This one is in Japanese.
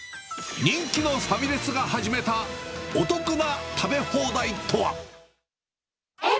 人気のファミレスが始めたお得な食べ放題とは。